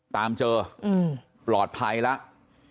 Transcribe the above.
ตามเจอปลอดภัยแล้ว